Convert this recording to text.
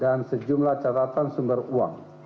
sejumlah catatan sumber uang